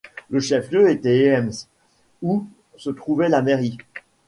Le chef-lieu était Heemse, où se trouvait la mairie.